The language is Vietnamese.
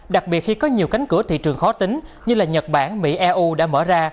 đặc biệt khi có nhiều cánh cửa thị trường khó tính như là nhật bản mỹ eu đã mở ra